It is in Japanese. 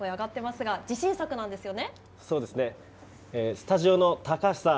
スタジオの高橋さん